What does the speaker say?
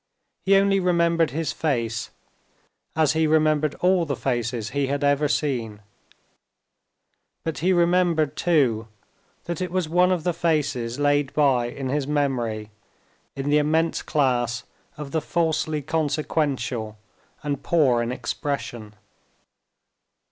He only remembered his face as he remembered all the faces he had ever seen; but he remembered, too, that it was one of the faces laid by in his memory in the immense class of the falsely consequential and poor in expression.